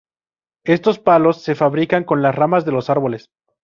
Estos palos se fabrican con las ramas de los árboles.